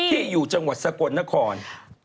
อยู่จังหวัดสกลนคร